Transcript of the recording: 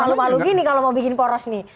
malu malu gini kalau mau bikin poros nih